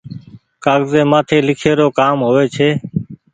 ڪآگزي مآٿي لکي رو ڪآم هووي ڇي۔